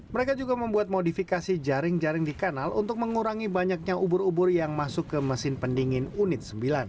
mereka juga membuat modifikasi jaring jaring di kanal untuk mengurangi banyaknya ubur ubur yang masuk ke mesin pendingin unit sembilan